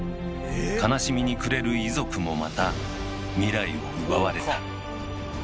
悲しみに暮れる遺族もまた未来を奪われた。